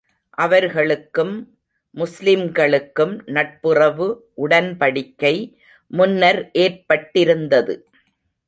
அவர்களுக்கும், முஸ்லிம்களுக்கும் நட்புறவு உடன்படிக்கை முன்னர் ஏற்பட்டிருந்தது.